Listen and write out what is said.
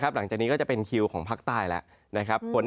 หลังจากนี้ก็จะเป็นคิวของภาคใต้แล้วนะครับ